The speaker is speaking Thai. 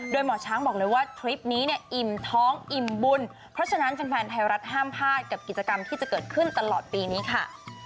โดยหมอช้างบอกเลยว่าทริปนี้เนี่ยอิ่มท้องอิ่มบุญเพราะฉะนั้นแฟนไทยรัฐห้ามพลาดกับกิจกรรมที่จะเกิดขึ้นตลอดปีนี้ค่ะ